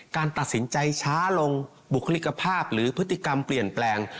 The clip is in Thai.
การตัดสินใจช้าลงบุคลิกภาพหรือพฤติกรรมเปลี่ยนแปลง